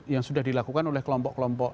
yang sudah dilakukan oleh kelompok kelompok